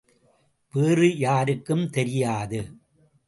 வேறு யாருக்கும் தெரியாது.